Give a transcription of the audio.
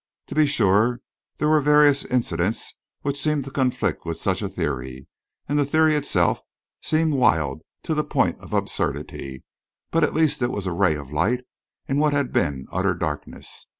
To be sure, there were various incidents which seemed to conflict with such a theory, and the theory itself seemed wild to the point of absurdity; but at least it was a ray of light in what had been utter darkness.